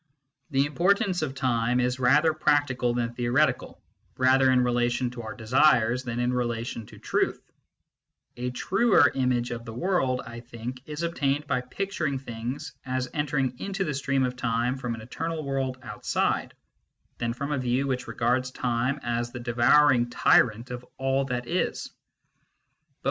The importance of time is rather practical than theoretical, rather in relation to our desires than in relation to truth. A truer image of the world, I think, is obtained by picturing things as entering into the stream of time from an eternal world outside, than from a view which regards time as the devouring tyrant of all that is Both in 1 Whinfield s translation of the Masnavi (Triibner, 1887), p.